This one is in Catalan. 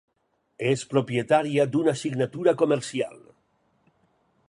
És propietària d'una signatura comercial.